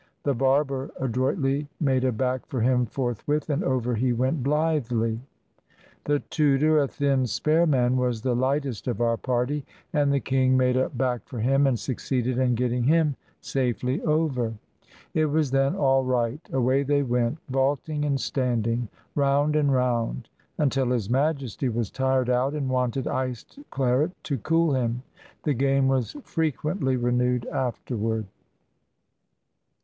The barber adroitly made a back for him forth with, and over he went blithely. The tutor, a thin, spare man, was the lightest of our party, and the king made a back for him and succeeded in getting him safely over. It was then all right. Away they went, vaulting and standing, roimd and round, until His Majesty was tired out and wanted iced claret to cool him. The game was frequently renewed afterward.